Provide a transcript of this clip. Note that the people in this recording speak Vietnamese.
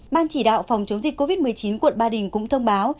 ban chỉ đạo phòng chống dịch covid một mươi chín quận ba đình cũng thông báo